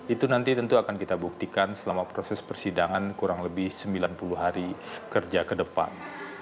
itu nanti tentu akan kita buktikan selama proses persidangan kurang lebih sembilan puluh hari kerja ke depan